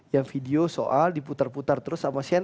yang video soal diputar putar terus sama shane